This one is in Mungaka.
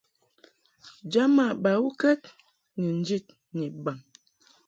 Jama bawukɛd ni njid ni baŋ.